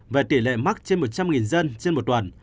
về tỷ lệ mắc trên một trăm linh dân trên một tuần